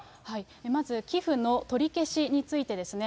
まず寄付の取り消しについてですね。